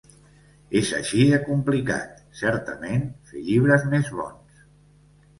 És així de complicat, certament: fer llibres més bons.